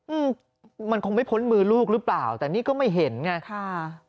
อืมมันคงไม่พ้นมือลูกหรือเปล่าแต่นี่ก็ไม่เห็นไงค่ะ